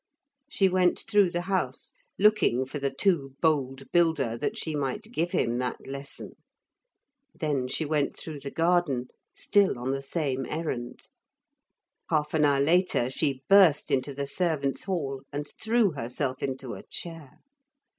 She went through the house, looking for the too bold builder that she might give him that lesson. Then she went through the garden, still on the same errand. Half an hour later she burst into the servants' hall and threw herself into a chair.